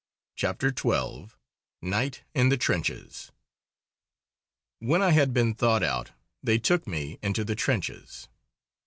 CHAPTER XII NIGHT IN THE TRENCHES When I had been thawed out they took me into the trenches.